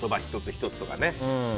１つ１つとかね。